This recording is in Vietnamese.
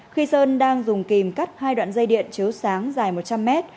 khi sơn đang dùng kìm cắt hai đoạn dây điện chiếu sáng dài một trăm linh mét